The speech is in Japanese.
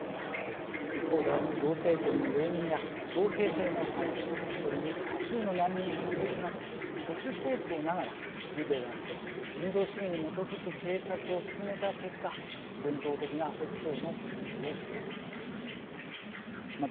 一方で、同性婚の容認や徴兵制の廃止それに多数の難民受け入れなど保守政党ながらリベラルで人道主義に基づく政策を進めた結果伝統的な保守層の支持を失いました。